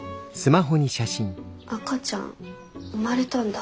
赤ちゃん生まれたんだ。